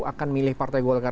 akan milih partai golkar